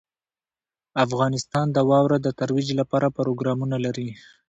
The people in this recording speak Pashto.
افغانستان د واوره د ترویج لپاره پروګرامونه لري.